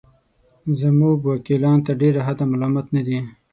زموږ وکیلان تر ډېره حده ملامت نه دي.